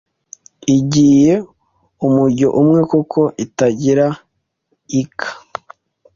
igiye umujyo umwe kuko itagira iika